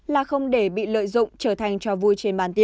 là không để bị lợi dụng trở thành cho vui trên bàn tiền